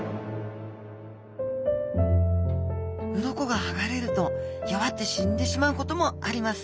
鱗がはがれると弱って死んでしまうこともあります。